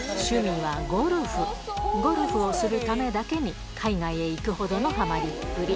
ゴルフをするためだけに海外へ行くほどのハマりっぷり